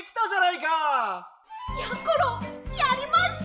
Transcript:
やころやりました！